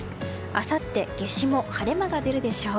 あさって夏至も晴れ間が出るでしょう。